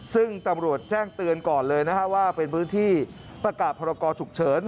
ซึ่งตำรวจแจ้งเตือนก่อนเลยนะฮะว่าเป็นพื้นที่ประกาศพรกรฉุกเฉิน